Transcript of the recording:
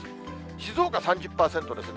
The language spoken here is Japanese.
静岡３０％ですね。